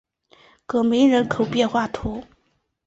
戈梅人口变化图示